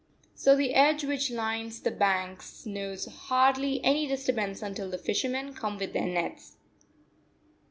So the sedge which lines the banks knows hardly any disturbance until the fishermen come with their nets.